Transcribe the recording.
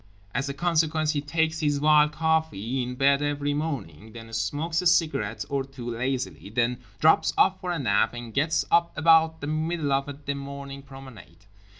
As a consequence he takes his vile coffee in bed every morning, then smokes a cigarette or two lazily, then drops off for a nap, and gets up about the middle of the morning promenade.